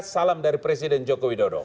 salam dari presiden jokowi dodo